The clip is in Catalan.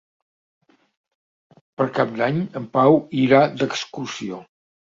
Per Cap d'Any en Pau irà d'excursió.